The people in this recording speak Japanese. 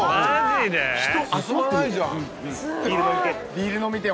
ビール飲みてぇ。